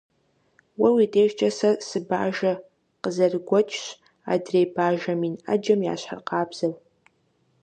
Уэ уи дежкӀэ сэ сыбажэ къызэрыгуэкӀщ, адрей бажэ мин Ӏэджэм ящхьыркъабзэу.